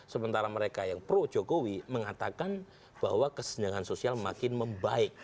sementara mereka yang pro jokowi mengatakan bahwa kesenjangan sosial makin membaik